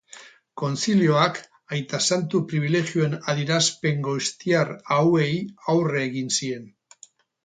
Kontzilioak, aita santu pribilegioen adierazpen goiztiar hauei aurre egin zien.